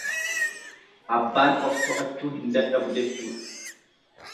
Abbaan of to'achuu hin dadhabu jechuudha.